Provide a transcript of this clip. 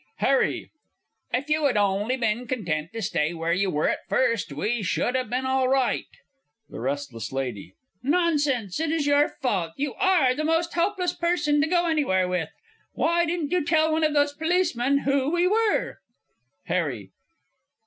_ HARRY. If you had only been content to stay where you were at first, we should have been all right! THE R. L. Nonsense, it is all your fault, you are the most hopeless person to go anywhere with. Why didn't you tell one of those policemen who we were? HARRY.